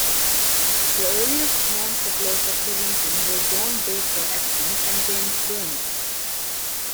The earliest known settlers of the region were John Baker Atkin and James Burney.